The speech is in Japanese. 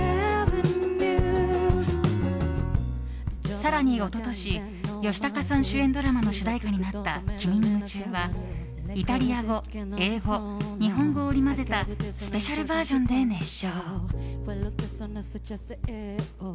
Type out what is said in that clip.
更に一昨年吉高さん主演ドラマの主題歌になった「君に夢中」はイタリア語、英語日本語を織り交ぜたスペシャルバージョンで熱唱。